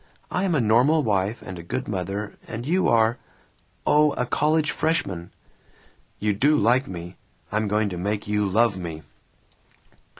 I am a normal wife and a good mother, and you are oh, a college freshman." "You do like me! I'm going to make you love me!"